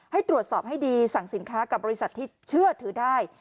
ให้ตรวจสอบให้ดีสั่งสินค้ากับบริษัทที่เชื่อถือได้